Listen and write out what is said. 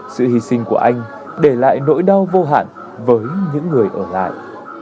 sự hy sinh của anh để lại nỗi đau vô hạn với những người ở lại